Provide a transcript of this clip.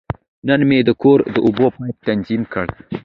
نن مې د کور د اوبو پایپ تنظیم کړ.